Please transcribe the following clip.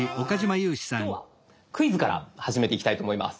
今日はクイズから始めていきたいと思います。